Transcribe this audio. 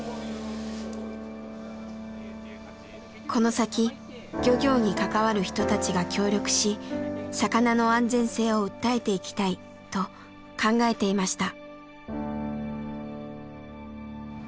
この先漁業に関わる人たちが協力し魚の安全性を訴えていきたいと考えていました。